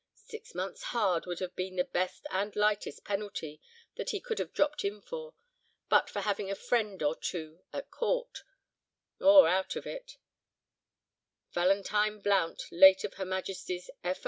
'Six months' hard' would have been the least, and lightest penalty, that he would have dropped in for, and but for having a friend or two at court, or out of it, Valentine Blount, late of Her Majesty's F.